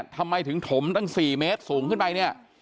ทำไมถึงถมทั้งสี่เมตรสูงขึ้น